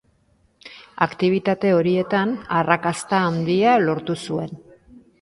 Aktibitate horietan arrakasta handia lortu zuen.